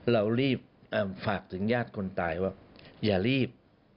เรารีบฝากถึงญาติคนตายว่าอย่ารีบ